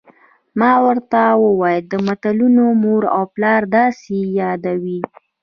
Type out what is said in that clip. ما ورته وویل: د ملتونو مور او پلار، داسې یې یادوي.